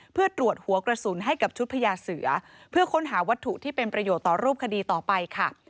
เพื่อตรวจหัวกระสุนให้กับชุดพญาเสือเพื่อค้นหาวัตถุที่เป็นประโยชน์ต่อรูปคดีต่อไปค่ะ